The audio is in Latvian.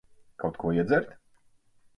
Kaut ko iedzert?